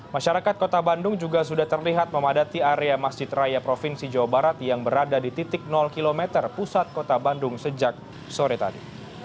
masyarakat kota bandung juga sudah terlihat memadati area masjid raya provinsi jawa barat yang berada di titik km pusat kota bandung sejak sore tadi